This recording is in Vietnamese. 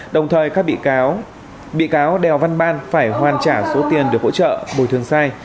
đồng thời các bị cáo đèo văn ban phải hoàn trả số tiền được hỗ trợ bồi thường sai